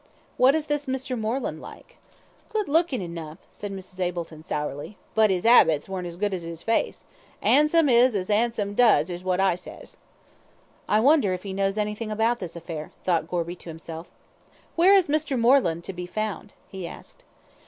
"What is this Mr. Moreland like?" "Good lookin' enough," said Mrs. Hableton sourly, "but 'is 'abits weren't as good as 'is face 'andsom is as 'andsom does, is what I ses." "I wonder if he knows anything about this affair," thought Gorby to himself "Where is Mr. Moreland to be found?" he asked.